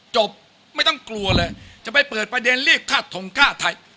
จบไม่ต้องกลัวเลยจะไปเปิดประเด็นเรียกฆ่าทงฆ่าไทย